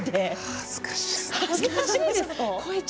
恥ずかしいです。